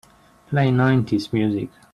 Play nineties music.